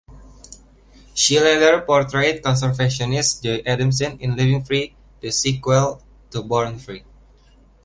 She later portrayed conservationist Joy Adamson in "Living Free", the sequel to "Born Free".